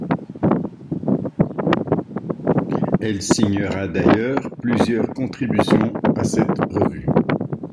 Elle signera d’ailleurs plusieurs contributions à cette revue.